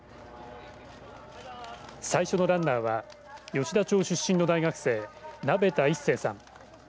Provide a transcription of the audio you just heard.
最初のランナーは吉田町出身の大学生鍋田一成さん。